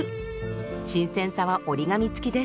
新鮮さは折り紙付きです。